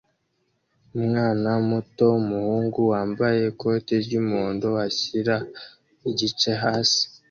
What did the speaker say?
Umwana muto wumuhungu wambaye ikoti ry'umuhondo ashyira igice hasi